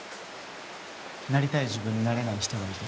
なりたい自分になれない人がいて。